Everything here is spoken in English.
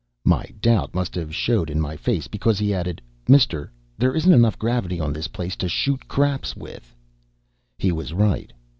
My doubt must have showed in my face, because he added, "Mister, there isn't enough gravity on this place to shoot craps with." He was right.